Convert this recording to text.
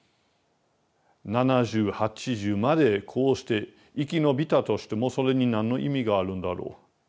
７０８０までこうして生き延びたとしてもそれに何の意味があるんだろう。